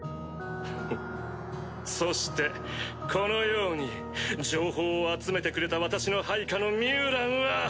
そしてこのように情報を集めてくれた私の配下のミュウランは！